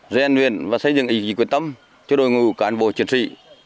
rèn luyện và xây dựng ý chí quyết tâm cho đội ngũ cán bộ chiến sĩ